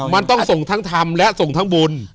มันต้องส่งทั้งธรรมและส่งทั้งบุญ